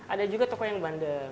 ada juga toko yang bandeng